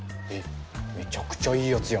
めっちゃくちゃいいやつやん水城。